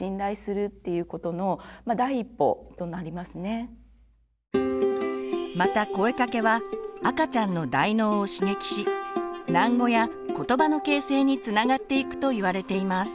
ですからまた声かけは赤ちゃんの大脳を刺激し喃語やことばの形成につながっていくといわれています。